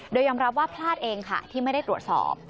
โดยยอมรับว่าพลาดเองค่ะที่ไม่ได้ตรวจสอบ